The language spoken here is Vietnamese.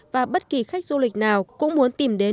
và bất kỳ khách du lịch nào cũng muốn tìm đến